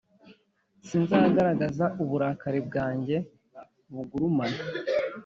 Sinzagaragaza uburakari bwanjye bugurumana